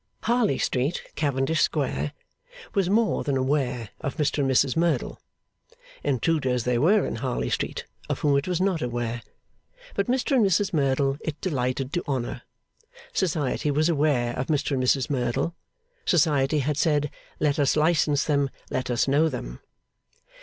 Harley Street, Cavendish Square, was more than aware of Mr and Mrs Merdle. Intruders there were in Harley Street, of whom it was not aware; but Mr and Mrs Merdle it delighted to honour. Society was aware of Mr and Mrs Merdle. Society had said 'Let us license them; let us know them.